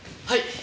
はい。